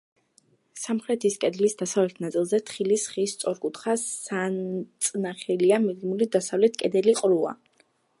სამხრეთის კედლის დასავლეთ ნაწილზე, თხილის ხის სწორკუთხა საწნახელია მიდგმული, დასავლეთ კედელი ყრუა.